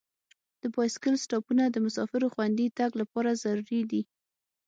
د بایسکل سټاپونه د مسافرو خوندي تګ لپاره ضروري دي.